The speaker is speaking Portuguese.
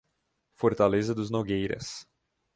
Fortaleza dos Nogueiras